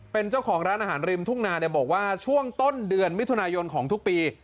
เป็นเจ้าของร้านอาหารริมทุ่งนาบอกว่าช่วงต้นเดือนมิถุนายนของทุกปี